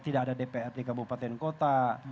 tidak ada dprd kabupaten kota